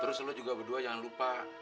terus lo juga berdua jangan lupa